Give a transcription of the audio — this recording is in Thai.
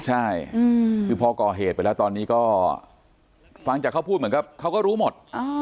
ใช่คือพอก่อเหตุไปแล้วตอนนี้ก็ฟังจากเขาพูดเหมือนกับเขาก็รู้หมด